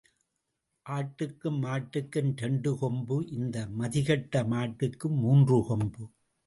ஆட்டுக்கும் மாட்டுக்கும் இரண்டு கொம்பு இந்த மதிகெட்ட மாட்டுக்கு மூன்று கொம்பு.